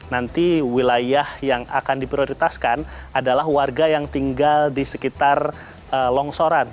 nanti wilayah yang akan diprioritaskan adalah warga yang tinggal di sekitar longsoran